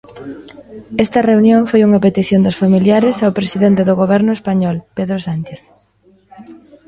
Esta reunión foi unha petición dos familiares ao presidente do Goberno español, Pedro Sánchez.